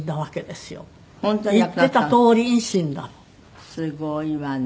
すごいわね。